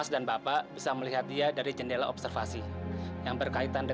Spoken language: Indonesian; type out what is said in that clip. sampai jumpa di video selanjutnya